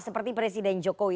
seperti presiden jokowi